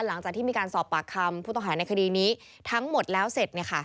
หลังจากที่มีการสอบปากคำผู้ต้องหาในคดีนี้ทั้งหมดแล้วเสร็จ